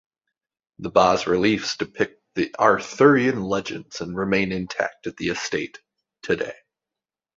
The bas reliefs depict the Arthurian Legends and remain intact at the estate today.